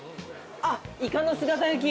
あっいかの姿焼き！